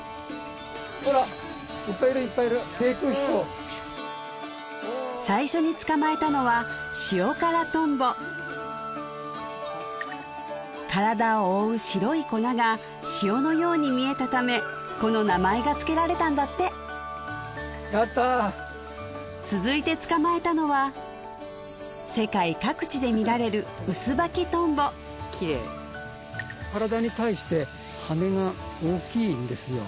ほらいっぱいいるいっぱいいる低空飛行最初に捕まえたのは体を覆う白い粉が塩のように見えたためこの名前がつけられたんだってやった続いて捕まえたのは世界各地で見られるきれい体に対して羽が大きいんですよ